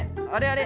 あれ？